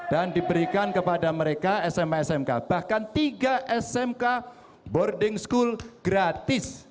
dan diberikan kepada mereka sma smk bahkan tiga smk boarding school gratis